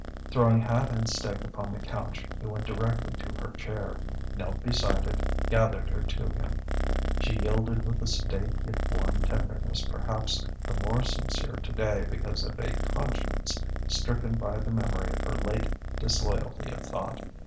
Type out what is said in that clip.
Throwing hat and stick upon the couch, he went directly to her chair, knelt beside it, gathered her to him. She yielded with a sedate yet warm tenderness perhaps the more sincere today because of a conscience stricken by the memory of her late disloyalty of thought.